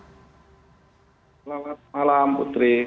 selamat malam putri